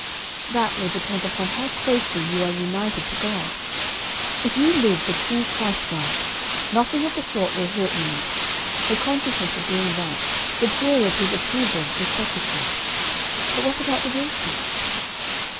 "That will depend upon how closely you are united to God. If you live the true Christ life, nothing of the sort will hurt you much; the consciousness of being right, the joy of His approval, will suffice you. But what about the Wilsons?"